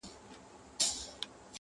• شرنګول د دروازو یې ځنځیرونه -